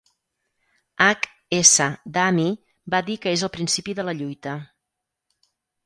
H S Dhami va dir que és el principi de la lluita.